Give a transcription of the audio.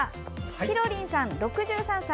ひろりんさん、６３歳。